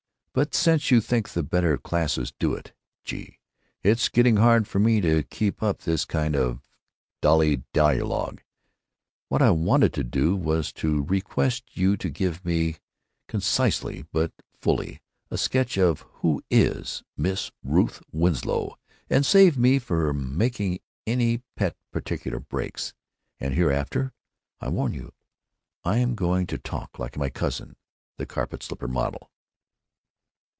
But since you think the better classes do it—gee! it's getting hard for me to keep up this kind of 'Dolly Dialogue.' What I wanted to do was to request you to give me concisely but fully a sketch of 'Who is Miss Ruth Winslow?' and save me from making any pet particular breaks. And hereafter, I warn you, I'm going to talk like my cousin, the carpet slipper model."